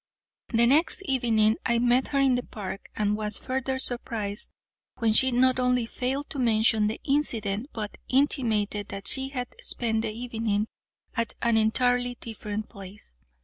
The next evening I met her in the park, and was further surprised when she not only failed to mention the incident, but intimated that she had spent the evening at an entirely different place.